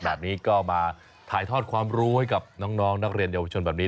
แบบนี้ก็มาถ่ายทอดความรู้ให้กับน้องนักเรียนเยาวชนแบบนี้